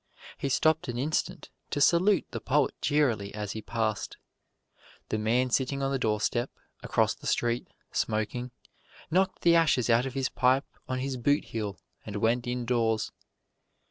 He stopped an instant to salute the poet cheerily as he passed. The man sitting on the doorstep, across the street, smoking, knocked the ashes out of his pipe on his boot heel and went indoors.